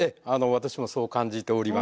私もそう感じております。